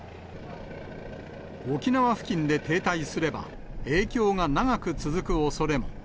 沖縄付近で停滞すれば、影響が長く続くおそれも。